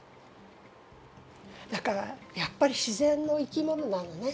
だからやっぱり自然の生き物なのね。